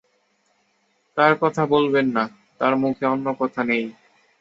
তাঁর কথা বলবেন না– তাঁর মুখে অন্য কথা নেই।